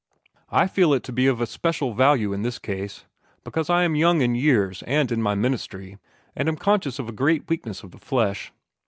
I feel it to be of especial value in this case, because I am young in years and in my ministry, and am conscious of a great weakness of the flesh.